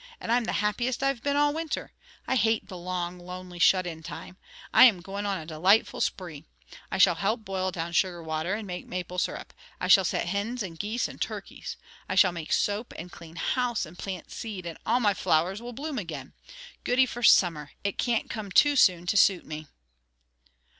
And I'm the happiest I've been all winter. I hate the long, lonely, shut in time. I am going on a delightful spree. I shall help boil down sugar water and make maple syrup. I shall set hins, and geese, and turkeys. I shall make soap, and clane house, and plant seed, and all my flowers will bloom again. Goody for summer; it can't come too soon to suit me."